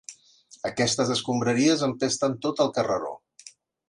Aquestes escombraries empesten tot el carreró.